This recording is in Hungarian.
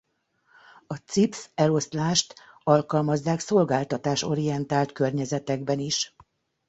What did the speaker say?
A Zipf-eloszlást alkalmazzák szolgáltatás orientált környezetekben is.